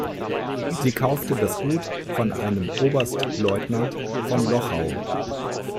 Sie kaufte das Gut von einem Oberstleutnant von Lochau.